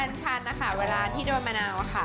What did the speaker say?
ชันนะคะเวลาที่โดนมะนาวค่ะ